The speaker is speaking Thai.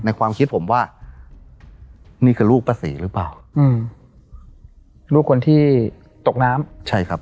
ความคิดผมว่านี่คือลูกป้าศรีหรือเปล่าอืมลูกคนที่ตกน้ำใช่ครับ